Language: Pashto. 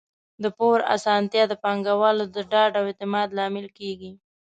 د پور اسانتیا د پانګوالو د ډاډ او اعتماد لامل کیږي.